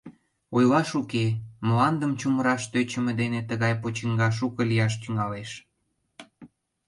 Ойлаш уке, мландым чумыраш тӧчымӧ дене тыгай почиҥга шуко лияш тӱҥалеш.